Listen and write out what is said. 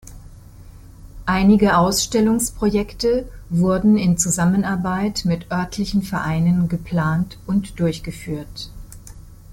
Einige Ausstellungs-Projekte wurden in Zusammenarbeit mit örtlichen Vereinen geplant und durchgeführt.